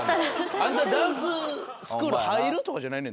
「あんたダンススクール入る？」とかじゃないね